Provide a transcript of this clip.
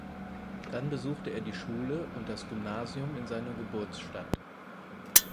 Dann besuchte er die Schule und das Gymnasium in seiner Geburtsstadt.